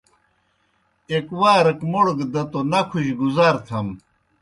ایْک وارک موْڑ گہ دہ توْ نکھوْجیْ گُزار تھم۔